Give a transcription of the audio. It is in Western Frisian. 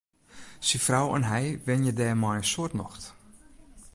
Syn frou en hy wenje dêr mei in soad nocht.